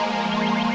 sampai jumpa lagi